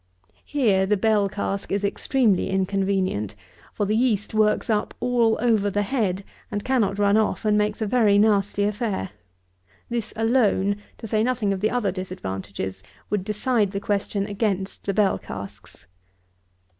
Here the bell cask is extremely inconvenient; for the yeast works up all over the head, and cannot run off, and makes a very nasty affair. This alone, to say nothing of the other disadvantages, would decide the question against the bell casks.